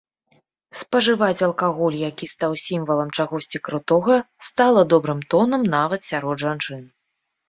Спажываць алкаголь, які стаў сімвалам чагосьці крутога, стала добрым тонам нават сярод жанчын.